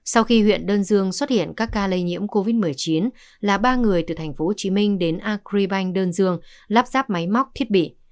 sau khi huyện đơn dương xuất hiện các ca lây nhiễm covid một mươi chín là ba người từ tp hcm đến agribank đơn dương lắp ráp máy móc thiết bị